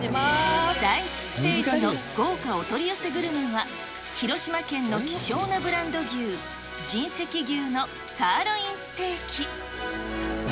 第１ステージの豪華お取り寄せグルメは、広島県の希少なブランド牛、神石牛のサーロインステーキ。